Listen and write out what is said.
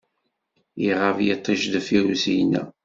Iɣab yiṭij deffir usigna.